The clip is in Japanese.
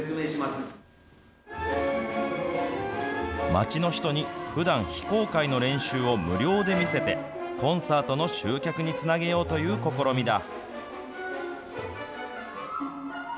街の人にふだん非公開の練習を無料で見せて、コンサートの集客につなげようという試みだ。